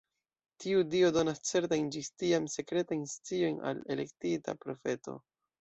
Tiu Dio donas certajn ĝis tiam sekretajn sciojn al elektita profeto.